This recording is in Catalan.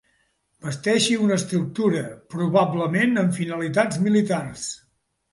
Basteixi una estructura, probablement amb finalitats militars.